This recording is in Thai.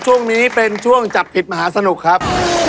ช่วงนี้เป็นช่วงจับผิดมหาสนุกครับ